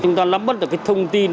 chúng ta lắm bất tử cái thông tin